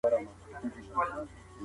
د صدقې په بدل کي اجر سته.